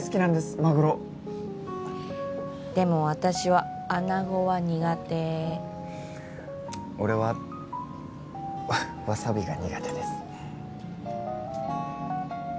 マグロでも私はアナゴは苦手俺はワサビが苦手です